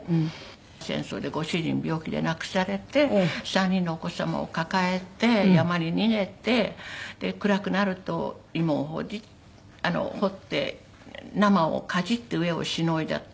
戦争でご主人病気で亡くされて３人のお子様を抱えて山に逃げて暗くなると芋を掘って生をかじって飢えをしのいだって。